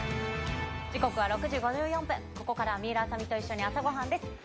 時刻は６時５４分、ここからは水卜麻美と一緒に朝ごはんです。